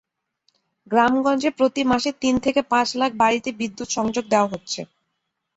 গ্রামগঞ্জে প্রতি মাসে তিন থেকে পাঁচ লাখ বাড়িতে বিদ্যুৎ-সংযোগ দেওয়া হচ্ছে।